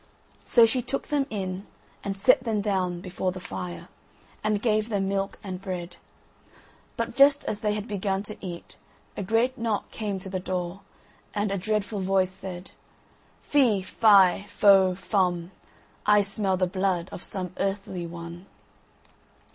So she took them in, and set them down before the fire, and gave them milk and bread; but just as they had begun to eat a great knock came to the door, and a dreadful voice said: "Fee, fie, fo, fum, I smell the blood of some earthly one.